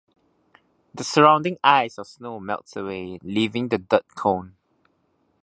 The surrounding ice or snow melts away, leaving the dirt cone.